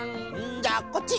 じゃあこっち！